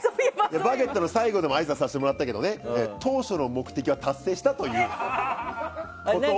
「バゲット」の最後でもあいさつしたけど当初の目的は達成したということを。